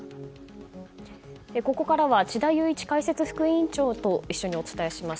ここからは智田裕一解説副委員長と一緒にお伝えします。